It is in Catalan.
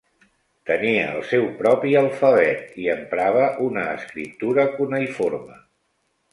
Tenia el seu propi alfabet, i emprava una escriptura cuneïforme.